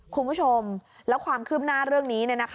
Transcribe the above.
คุณผู้ชมแล้วความคืบหน้าเรื่องนี้